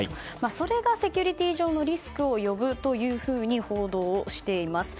それがセキュリティー上のリスクを呼ぶというふうに報道をしています。